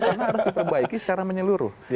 karena harus diperbaiki secara menyeluruh